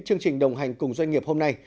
chương trình đồng hành cùng doanh nghiệp hôm nay